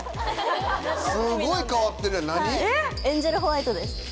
すごい変わってるよ何？